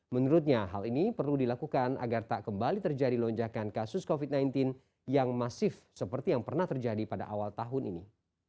menurutnya hal ini perlu dilakukan agar tak kembali terjadi lonjakan kasus covid sembilan belas yang masif seperti yang pernah terjadi pada awal tahun ini